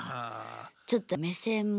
ちょっと目線もね